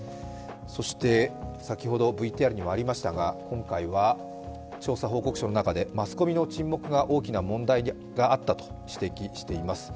そして先ほどＶＴＲにもありましたが今回は、調査報告書の中でマスコミの沈黙に大きな問題があったと指摘しています。